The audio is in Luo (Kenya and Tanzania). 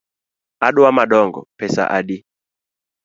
Adwa madongo, pesa adi?